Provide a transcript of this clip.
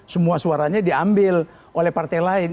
semua suaranya diambil oleh partai lain